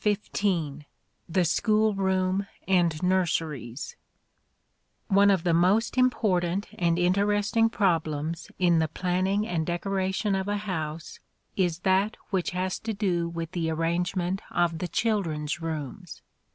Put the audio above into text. XV THE SCHOOL ROOM AND NURSERIES One of the most important and interesting problems in the planning and decoration of a house is that which has to do with the arrangement of the children's rooms.